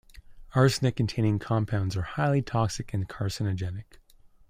Arsenic-containing compounds are highly toxic and carcinogenic.